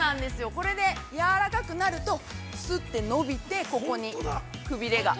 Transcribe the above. これでやわらかくなると、すっと伸びて、ここにくびれが。